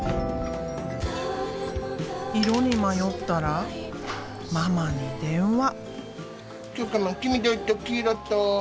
色に迷ったらママに電話。